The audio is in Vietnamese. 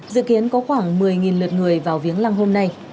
dự kiến có khoảng một mươi lượt người vào viếng lăng hôm nay